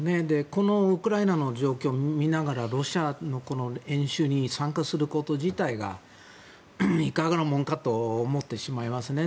このウクライナの状況を見ながらロシアのこの演習に参加すること自体がいかがなものかと思ってしまいますね。